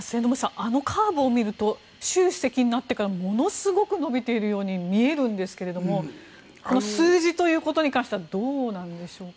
あのカーブを見ると習主席になってからものすごく伸びているように見えるんですけども数字ということに関してはどうなんでしょうか？